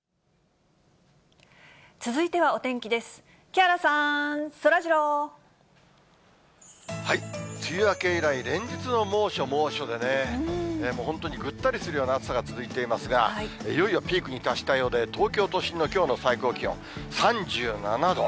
警察は、梅雨明け以来、連日の猛暑猛暑でね、もう本当にぐったりするような暑さが続いていますが、いよいよピークに達したようで、東京都心のきょうの最高気温３７度。